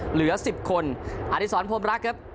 เหลือสิบคนอธิสรรพรมรักครับ